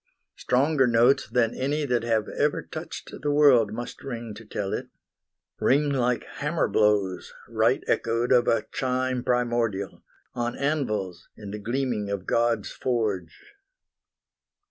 Stronger notes Than any that have ever touched the world Must ring to tell it ring like hammer blows, Right echoed of a chime primordial, On anvils, in the gleaming of God's forge.